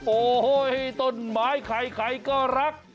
โอ้โหต้นไม้ใครก็รัก